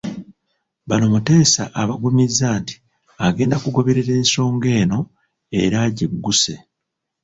Bano Muteesa abagumizza nti agenda kugoberera ensonga eno era agigguse.